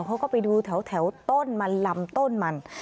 เขาก็ไปดูแถวต้นมันลำต้นมัน